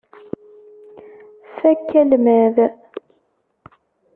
Fakk almad.